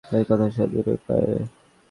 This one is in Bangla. প্রথম কথা হলো, সে ইঁদুরের ভাষা জানে।